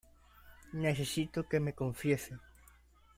necesito que me confiese.